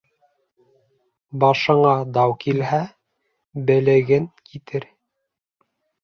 Башыңа дау килһә, белеген китер.